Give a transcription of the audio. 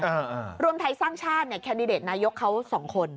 อ่ารวมไทยสร้างชาติเนี่ยแคนดิเดตนายกเขาสองคน